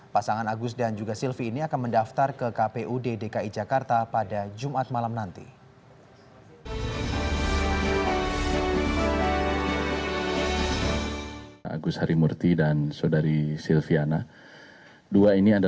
pasangan agus dan juga silvi ini akan mendaftar ke kpud dki jakarta pada jumat malam nanti